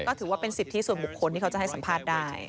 ก็ถือว่าเป็นสิทธิส่วนบุคคลที่เขาจะให้สัมภาษณ์ได้